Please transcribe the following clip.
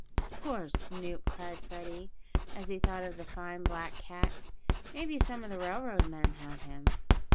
"Poor Snoop!" cried Freddie, as he thought of the fine black cat. "Maybe some of the railroad men have him."